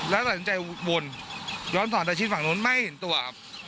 แล้วตัดสินใจวนย้อนสอนตะชิดฝั่งนู้นไม่เห็นตัวครับ